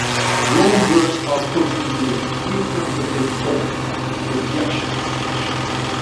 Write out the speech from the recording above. Loanwords are put into the frequentative form, if the action is such.